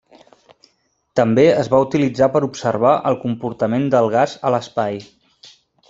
També es va utilitzar per observar el comportament del gas a l’espai.